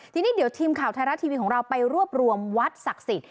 ทีนี้เดี๋ยวทีมข่าวไทยรัฐทีวีของเราไปรวบรวมวัดศักดิ์สิทธิ